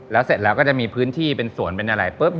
แล้วเสร็จแล้วก็จะมีพื้นที่เป็นสวนเป็นอะไรปุ๊บ